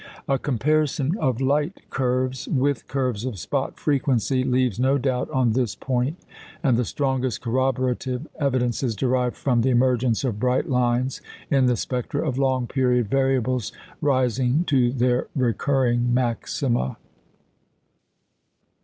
A comparison of light curves with curves of spot frequency leaves no doubt on this point, and the strongest corroborative evidence is derived from the emergence of bright lines in the spectra of long period variables rising to their recurring maxima.